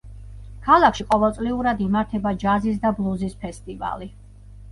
ქალაქში ყოველწლიურად იმართება ჯაზის და ბლუზის ფესტივალი.